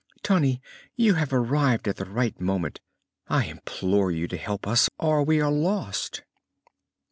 "Tunny, you have arrived at the right moment! I implore you to help us or we are lost."